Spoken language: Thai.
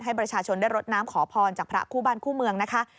ให้ประชาชนได้รดน้ำขอพรจากพระคู่บ้านคู่เมืองนะคะ